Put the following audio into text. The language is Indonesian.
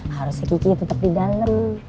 harusnya ki ki tetep di dalem